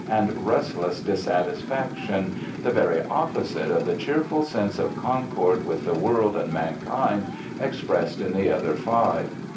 and restless dissatisfaction, the very opposite of the cheerful sense of concord with the world and mankind expressed in the other five."